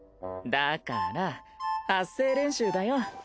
だから発声練習だよ。